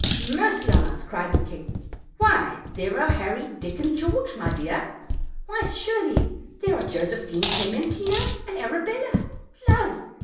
"Mercy on us!" cried the king, "why, there are Harry, Dick and George, my dear! why, surely there are Josephine, Clementina and Arabella, love!